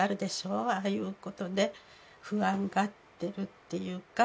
ああいうことで不安がっているっていうか。